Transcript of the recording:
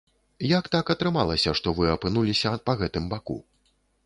Як так атрымалася, што вы апынуліся па гэтым баку?